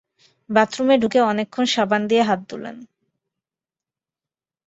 বাথরুমে ঢুকে অনেকক্ষণ সাবান দিয়ে হাত ধুলেন।